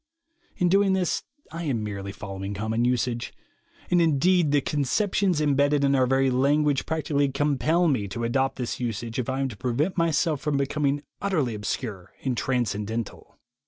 In doing this, I am merely following common usage; and, indeed, the conceptions imbedded in our very language practically compel me to adopt this usage if I am to prevent myself from becom ing utterly obscure and transcendental.